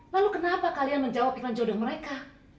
lalu kenapa kalian menjawab dengan jodoh mereka